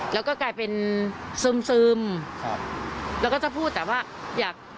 แล้วก็กลายเป็นซึมซึมครับแล้วก็ถ้าพูดแต่ว่าอยาก